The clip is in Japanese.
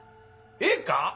ええか？